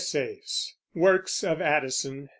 WORKS OF ADDISON.